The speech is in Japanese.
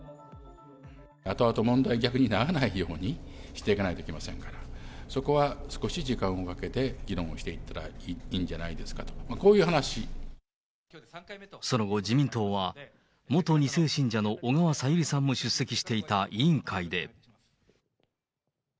あとあと問題にならないようにしていかないといけませんから、そこは少し時間をかけて、議論をしていったらいいんじゃないですかと、その後、自民党は、元２世信者の小川さゆりさんも出席していた委員会で。